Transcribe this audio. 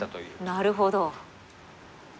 なるほど。